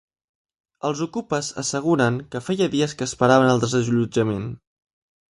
Els ocupes asseguren que feia dies que esperaven el desallotjament.